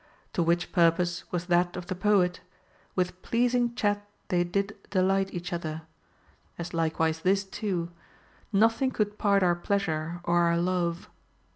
To which purpose was that of the poet, With pleasing chat they did delight each other ; as likewise this too, Nothing could part our pleasure or our love.